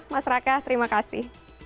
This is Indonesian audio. mas raka terima kasih